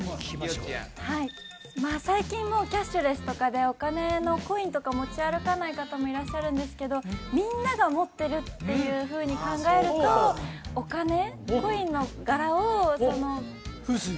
妃代ちゃんまあ最近キャッシュレスとかでお金のコインとか持ち歩かない方もいらっしゃるんですけどみんなが持ってるっていうふうに考えるとお金コインの柄を風水で？